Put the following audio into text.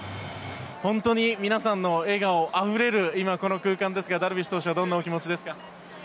本当に皆さんの笑顔あふれる今、この空間ですがダルビッシュ投手はどんなお気持ちですか？